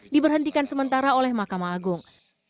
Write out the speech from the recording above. diberhentikan sementara oleh mahkamah agung